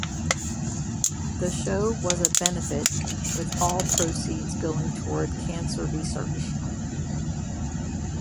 The show was a benefit with all proceeds going toward cancer research.